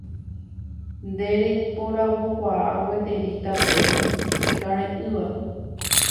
Nde reiporavokuaa gueterei tape ikareʼỹva